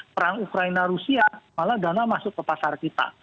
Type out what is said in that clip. perang ukraina rusia malah dana masuk ke pasar kita